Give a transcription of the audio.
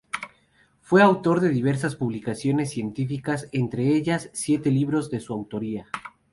Fue autor de diversas publicaciones científicas entre ellas siete libros de su autoría.